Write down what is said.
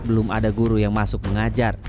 belum ada guru yang masuk mengajar